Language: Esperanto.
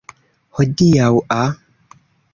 hodiaŭa